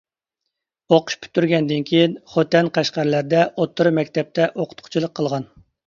ئوقۇش پۈتتۈرگەندىن كېيىن، خوتەن، قەشقەرلەردە ئوتتۇرا مەكتەپتە ئوقۇتقۇچىلىق قىلغان.